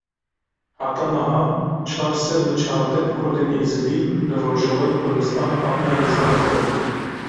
Heta niha çar sed û çardeh Kurdên Êzidî li Rojavayê Kurdistanê hatine rizgarkirin.